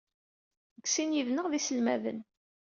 Deg sin yid-neɣ d iselmaden.